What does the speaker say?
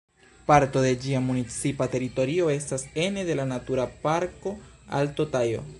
Parto de ĝia municipa teritorio estas ene de la Natura Parko Alto Tajo.